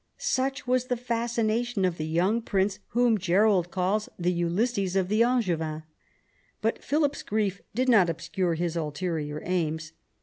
Such was the fascination of the young prince whom Gerald calls the Ulysses of the Angevins : but Philip's grief did not obscure his ulterior aims.